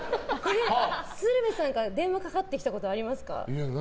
鶴瓶さんから電話かかってきたことありますか。